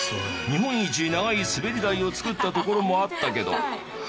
日本一長いすべり台を造ったところもあったけど